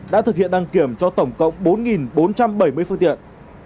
đã thực hiện đăng kiểm cho tổng cộng bốn bốn trăm bảy mươi phương tiện